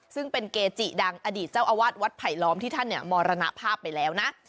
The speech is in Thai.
ซึ่งเป็นเกจิดังอดีตเจ้าอาวาสวัดไผลล้อมที่ท่านเนี่ยมรณภาพไปแล้วนะ